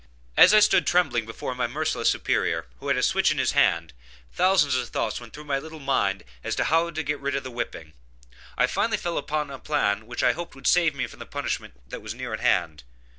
As I stood trembling before my merciless superior, who had a switch in his hand, thousands of thoughts went through my little mind as to how to get rid of the whipping. I finally fell upon a plan which I hoped would save me from a punishment that was near at hand.